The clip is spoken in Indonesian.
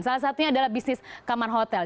salah satunya adalah bisnis kamar hotel